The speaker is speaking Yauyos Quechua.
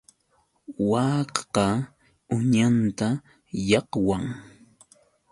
Waakaqa uñanta llaqwan.